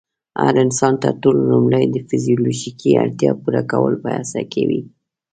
هر انسان تر ټولو لومړی د فزيولوژيکي اړتیا پوره کولو په هڅه کې وي.